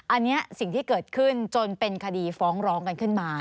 อันนี้สิ่งที่เกิดขึ้นจนเป็นคดีฟ้องร้องกันขึ้นมา